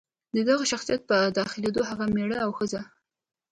د دغه شخص په داخلېدو هغه مېړه او ښځه.